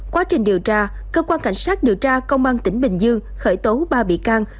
quá trình điều tra cơ quan cảnh sát điều tra công an tỉnh bình dương khởi tố ba bị can